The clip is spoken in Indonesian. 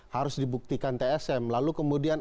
harus dibuktikan tsm lalu kemudian